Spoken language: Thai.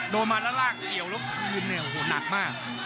โดนมาแล้วลากเหี่ยวแล้วคืนเนี่ยโอ้โหหนักมาก